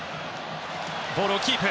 ボールをキープ。